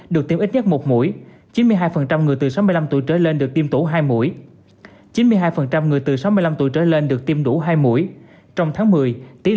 được tiêm ít nhất một mũi chín mươi hai người từ sáu mươi năm tuổi trở lên được tiêm tủ hai mũi